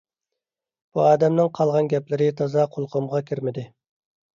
بۇ ئادەمنىڭ قالغان گەپلىرى تازا قۇلىقىمغا كىرمىدى.